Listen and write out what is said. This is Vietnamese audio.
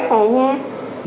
dạ vâng vâng